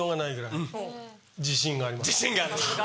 「自信がある」と。